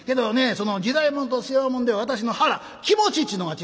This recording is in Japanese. その時代物と世話物では私の腹気持ちっちゅうのが違います